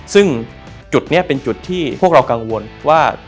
ซึ่งจุดนี้เป็นจุดที่พวกเรากังวลว่า